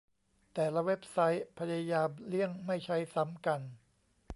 แต่ละเว็บไซต์พยายามเลี่ยงไม่ใช้ซ้ำกัน